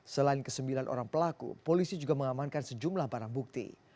selain kesembilan orang pelaku polisi juga mengamankan sejumlah barang bukti